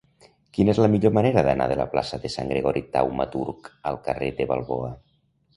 Quina és la millor manera d'anar de la plaça de Sant Gregori Taumaturg al carrer de Balboa?